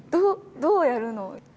どうやるの？